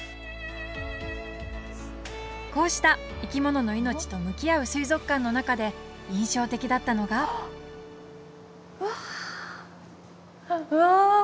こうした生き物の命と向き合う水族館の中で印象的だったのがわうわ